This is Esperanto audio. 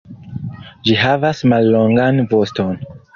Ĝi havas mallongan voston.